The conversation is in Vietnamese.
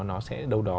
nó sẽ đâu đó